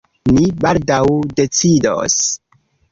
Ni baldaŭ decidos.